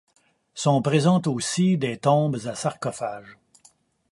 Sont présentes aussi des tombes à sarcophages.